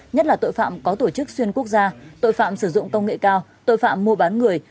nhất là tội phạm có tổ chức xuyên quốc gia tội phạm sử dụng công nghệ cao tội phạm mua bán người